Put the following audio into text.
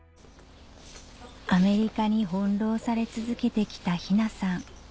アメリカに翻弄され続けてきた雛さん